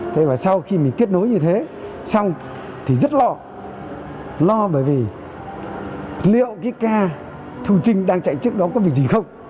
thế và sau khi mình kết nối như thế xong thì rất lo lo bởi vì liệu cái ca thu trinh đang chạy trước đó có việc gì không